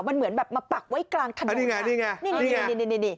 มันเหมือนแบบมาปักไว้กลางนี่ไง